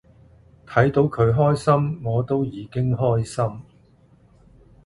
睇到佢開心我都已經開心